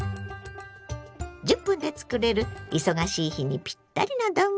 １０分で作れる忙しい日にピッタリの丼。